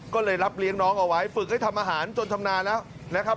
ก็เลยรับเลี้ยงน้องเอาไว้ฝึกให้ทำอาหารจนชำนาญแล้วนะครับ